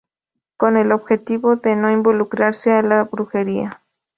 Con el objetivo de no involucrarse a la brujería.